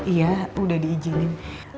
iya udah diizinin